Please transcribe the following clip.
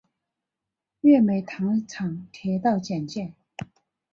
月眉糖厂铁道简介